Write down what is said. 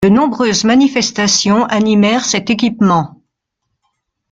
De nombreuses manifestations animèrent cet équipement.